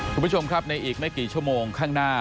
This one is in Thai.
คุณผู้ชมครับในอีกไม่กี่ชั่วโมงข้างหน้า